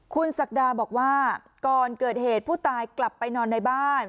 คุณศักดาบอกว่าก่อนเกิดเหตุผู้ตายกลับไปนอนในบ้าน